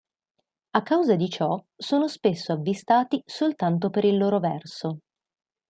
A causa di ciò sono spesso avvistati soltanto per il loro verso.